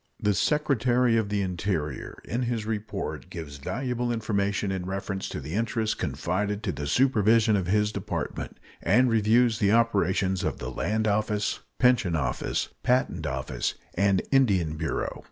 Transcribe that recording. The Secretary of the Interior in his report gives valuable information in reference to the interests confided to the supervision of his Department, and reviews the operations of the Land Office, Pension Office, Patent Office, and Indian Bureau.